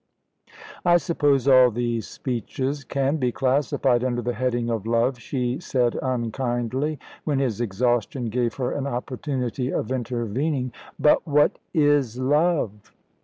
"I suppose all these speeches can be classified under the heading of love," she said unkindly, when his exhaustion gave her an opportunity of intervening. "But what is love?"